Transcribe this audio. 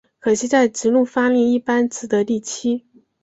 可惜在直路发力一般只得第七。